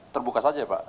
terbuka saja pak